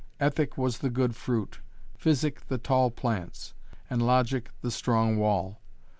Ethic was the good fruit, physic the tall plants, and logic the strong wall.